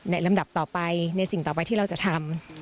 ลำดับต่อไปในสิ่งต่อไปที่เราจะทำ